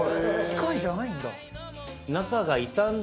機械じゃないんだ。